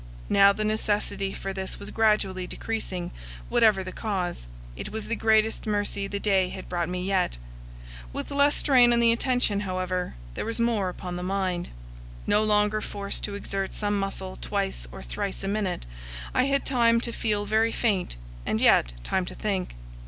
Now the necessity for this was gradually decreasing; whatever the cause, it was the greatest mercy the day had brought me yet. With less strain on the attention, however, there was more upon the mind. No longer forced to exert some muscle twice or thrice a minute, I had time to feel very faint, and yet time to think.